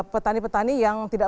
petani petani yang tidak